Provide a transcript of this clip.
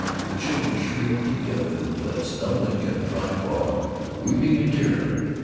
The children shrieked together and fled, stumbling in dry bog, weeping in terror.